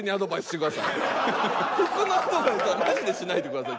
服のアドバイスはマジでしないでください